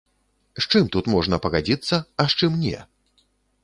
З чым тут можна пагадзіцца, а з чым не?